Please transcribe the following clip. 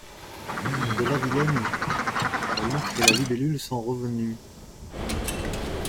De la Vilaine ! La loutre et la libellule sont revenues.